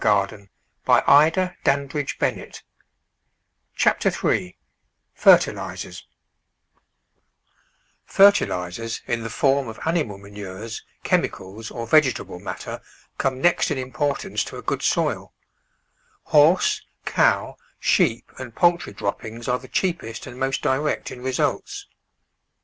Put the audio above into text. Digitized by Google Chapter THREE ftxt&im* FERTILISERS in the form of animal ma nures, chemicals or vegetable matter come next in importance to a good soil. Horse, cow, sheep, and poultry droppings are the cheapest and most direct in results.